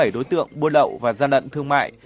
đối tượng buôn lậu và gian lận thương mại